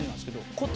こっち